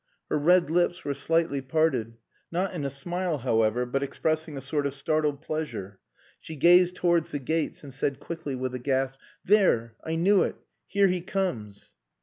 Her red lips were slightly parted, not in a smile, however, but expressing a sort of startled pleasure. She gazed towards the gates and said quickly, with a gasp "There! I knew it. Here he comes!"